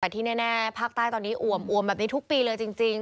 แต่ที่แน่ภาคใต้ตอนนี้อ่วมแบบนี้ทุกปีเลยจริง